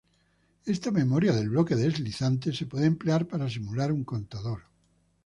Esta "memoria del bloque deslizante" se puede emplear para simular un contador.